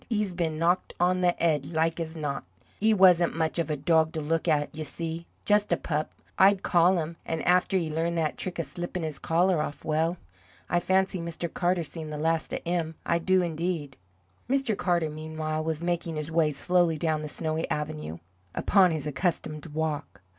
'E's been knocked on the 'ead, like as not. 'E wasn't much of a dog to look at, you see just a pup, I'd call 'im. An' after 'e learned that trick of slippin' 'is collar off well, I fancy Mr. Carter's seen the last of 'im. I do, indeed." Mr. Carter meanwhile was making his way slowly down the snowy avenue, upon his accustomed walk.